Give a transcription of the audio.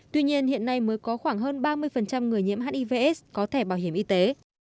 tuy nhiên hiện nay mới có khoảng hơn ba mươi người nhiễm hiv aids có thể bảo hiểm y tế